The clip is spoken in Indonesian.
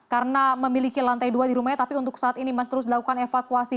karena memiliki lantai dua di rumahnya tapi untuk saat ini masih terus dilakukan evakuasi